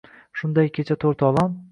Shunday kecha to’rtovlon